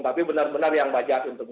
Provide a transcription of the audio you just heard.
tapi benar benar yang bajak untungnya